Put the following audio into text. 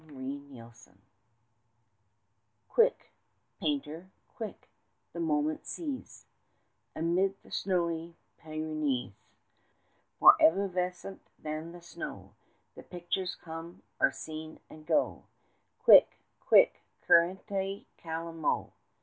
CURRENTE CALAMO Quick, painter, quick, the moment seize Amid the snowy Pyrenees; More evanescent than the snow, The pictures come, are seen, and go: Quick, quick, currente calamo.